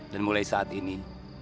dan mulai saat ini